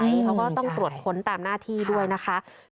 เขาก็ต้องตรวจค้นตามหน้าที่ด้วยนะคะ